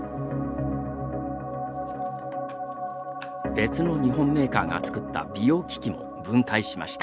別の日本メーカーが作った美容機器も分解しました。